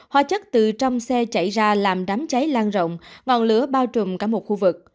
hóa chất từ trong xe chảy ra làm đám cháy lan rộng ngọn lửa bao trùm cả một khu vực